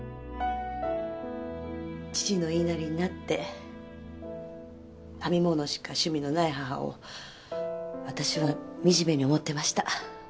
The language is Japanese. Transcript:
父の言いなりになって編み物しか趣味のない母を私はみじめに思ってました。